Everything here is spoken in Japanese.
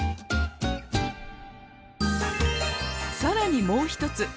更にもう一つ。